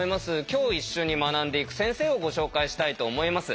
今日一緒に学んでいく先生をご紹介したいと思います。